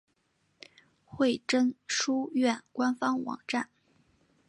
惠贞书院官方网站